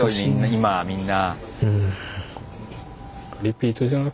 今みんな。